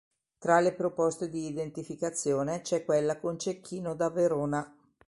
Tra le proposte di identificazione c'è quella con Cecchino da Verona.